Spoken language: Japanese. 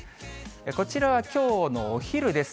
こちらはきょうのお昼です。